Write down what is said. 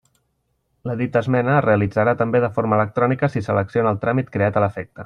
La dita esmena es realitzarà també de forma electrònica si selecciona el tràmit creat a l'efecte.